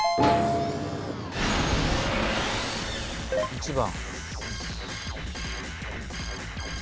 １番。